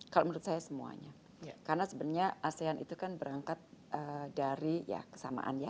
kalau menurut saya semuanya karena sebenarnya asean itu kan berangkat dari ya kesamaan ya